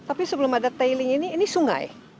tapi sebelum ada tailing ini ini sungai